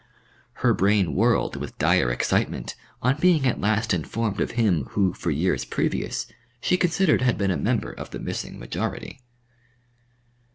Her brain whirled with dire excitement on being at last informed of him who for years previous she considered had been a member of the missing majority.